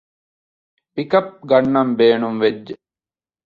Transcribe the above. ޕިކަޕް ގަންނަން ބޭނުންވެއްޖެ